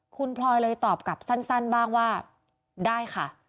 คุณพลอยเลยตอบกลับสั้นบ้างว่าได้ค่ะ